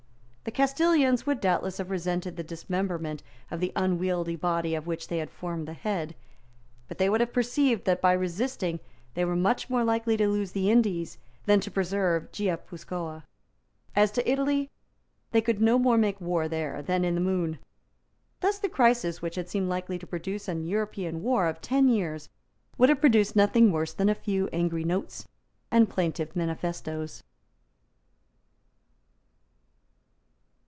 The Castilians would doubtless have resented the dismemberment of the unwieldy body of which they formed the head. But they would have perceived that by resisting they were much more likely to lose the Indies than to preserve Guipuscoa. As to Italy, they could no more make war there than in the moon. Thus the crisis which had seemed likely to produce an European war of ten years would have produced nothing worse than a few angry notes and plaintive manifestoes.